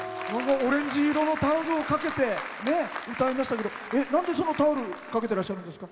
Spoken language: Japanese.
オレンジ色のタオルをかけて歌いましたけどなんでそのタオルかけてらっしゃるんですか。